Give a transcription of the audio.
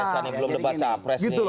belum dibaca pres ini